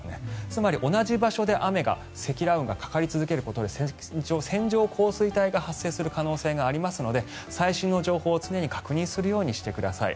つまり同じ場所で積乱雲がかかり続けることで線状降水帯が発生する可能性がありますので最新の情報を常に確認するようにしてください。